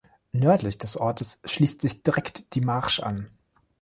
Nördlich des Ortes schließt sich direkt die Marsch an.